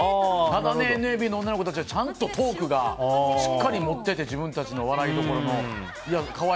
ただ、ＮＭＢの女の子たちはみんなトークをしっかり持ってて自分たちの笑いどころを。